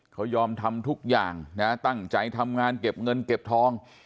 เขายอมทำทุกอย่างนะตั้งใจทำงานเก็บเงินเก็บทอง